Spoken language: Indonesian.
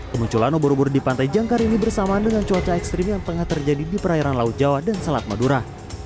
kemunculan ubur ubur di pantai jangkar ini bersamaan dengan cuaca ekstrim yang tengah terjadi di perairan laut jawa dan selat madura